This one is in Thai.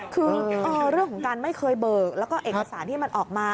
คือเรื่องของการไม่เคยเบิกแล้วก็เอกสารที่มันออกมา